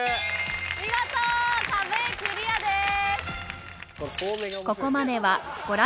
見事壁クリアです！